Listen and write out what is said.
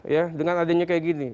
ya dengan adanya kayak gini